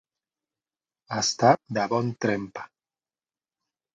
Estar de bon trempa.